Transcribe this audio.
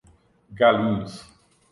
Galinhos